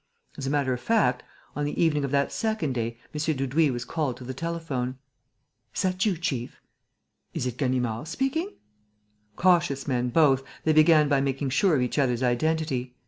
As a matter of fact, on the evening of that second day, M. Dudouis was called to the telephone. "Is that you, chief?" "Is it Ganimard speaking?" Cautious men both, they began by making sure of each other's identity.